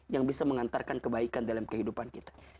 yang bisa mengantarkan kebaikan dalam kehidupan kita